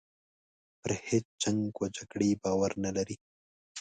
پر هیچ جنګ و جګړې باور نه لري.